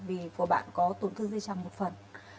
vì của bạn có tổn thương dây chẳng một phần